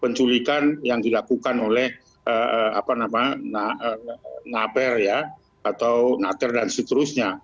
penculikan yang dilakukan oleh naper dan seterusnya